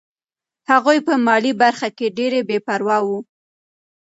هغوی په مالي برخه کې ډېر بې پروا وو.